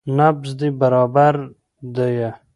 نبض دې برابر ديه.